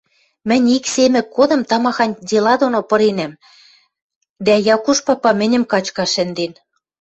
Мӹнь ик Семӹк годым тамахань дела доно пыренӓм, дӓ Якуш папа мӹньӹм качкаш шӹнден...